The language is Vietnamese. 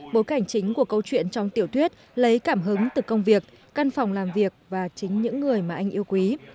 bối cảnh chính của câu chuyện trong tiểu thuyết lấy cảm hứng từ công việc căn phòng làm việc và chính những người mà anh yêu quý